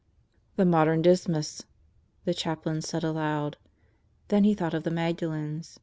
"The modern Dismas," the chaplain said aloud. Then he thoughtof the Magdalens.